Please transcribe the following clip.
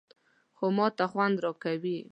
_خو ماته خوند راکوي.